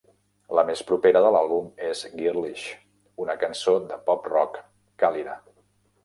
La més propera de l'àlbum és "Girlish", una cançó de pop rock "càlida".